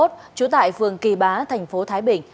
trú tại phường kỳ bá thành phố thái bình